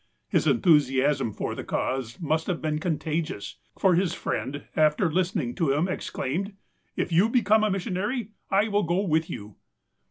His enthusiasm for the cause must have been contagious, for his friend, after listening to him, exclaimed :" If you become a missionary, I will go with you